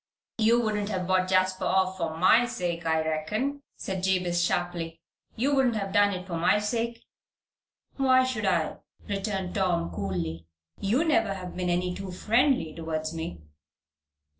"You wouldn't have bought Jasper off for my sake, I reckon," said Jabez, sharply. "You wouldn't have done it for my sake?" "Why should I?" returned Tom, coolly. "You never have been any too friendly towards me."